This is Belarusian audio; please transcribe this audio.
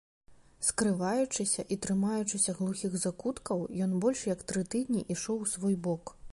Скрываючыся і трымаючыся глухіх закуткаў, ён больш як тры тыдні ішоў у свой бок.